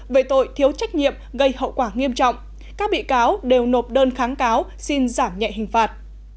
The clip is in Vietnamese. về tội thiếu trách nhiệm gây hậu quả nghiêm trọng các bị cáo đều nộp đơn kháng cáo xin giảm nhẹ hình phạt